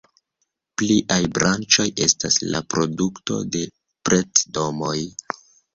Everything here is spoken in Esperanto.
Pliaj branĉoj estas la produkto de pret-domoj.